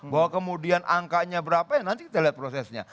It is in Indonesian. bahwa kemudian angkanya berapa ya nanti kita lihat prosesnya